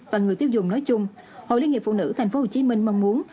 và người tiêu dùng nói chung hội liên hiệp phụ nữ tp hcm mong muốn